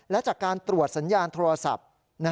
และจากการตรวจสัญญาณโทรศัพท์